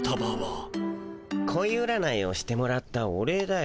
こい占いをしてもらったお礼だよ。